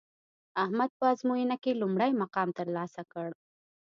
احمد په ازموینه کې لومړی مقام ترلاسه کړ